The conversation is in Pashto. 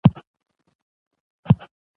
وږمه ، ولوله ، وياړمنه ، وړانگه ، ورېښمينه ، هوسۍ